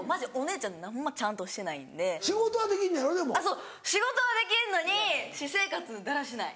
そう仕事はできんのに私生活だらしない。